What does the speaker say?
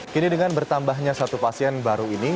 kini dengan bertambahnya satu pasien baru ini